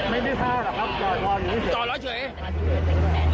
ไม่ได้ผ้าละครับต่ออยู่ที่เถียง